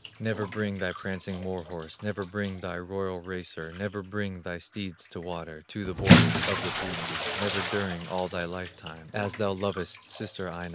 Never bring thy prancing war horse, Never bring thy royal racer, Never bring thy steeds to water, To the borders of the blue sea, Never during all thy life time, As thou lovest sister Aino.